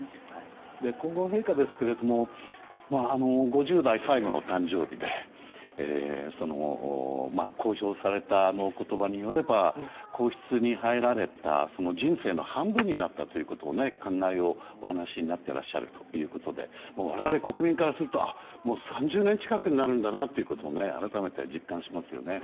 皇后陛下ですけども５０代最後の誕生日で公表されたお言葉によれば皇室に入られた人生の半分になったということの感慨をお話になっていらっしゃるということで我々国民からすると３０年近くになるんだなということを改めて実感しますよね。